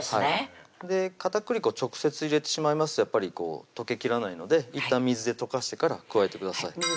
片栗粉直接入れてしまいますとやっぱり溶けきらないのでいったん水で溶かしてから加えてください